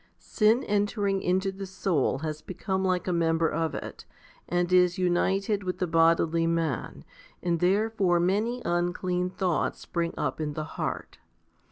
2 Sin entering into the soul has become like a member of it, and is united with the bodily man, and therefore many unclean thoughts spring up in the heart.